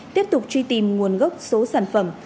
tiếp tục truy tìm nguồn gốc số sản phẩm